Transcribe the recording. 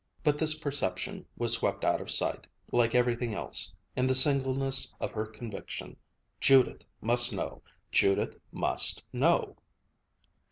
But this perception was swept out of sight, like everything else, in the singleness of her conviction: "Judith must know! Judith must know!"